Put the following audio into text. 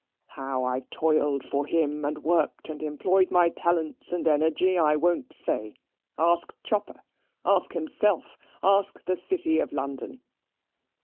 How I've toiled for him, and worked and employed my talents and energy, I won't say. Ask Chopper. Ask himself. Ask the City of London.